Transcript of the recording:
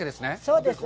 そうです。